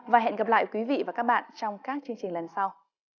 và hẹn gặp lại quý vị và các bạn trong các chương trình lần sau